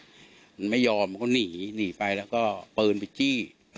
มันไม่ยอมมันก็หนีหนีไปแล้วก็ปืนไปจี้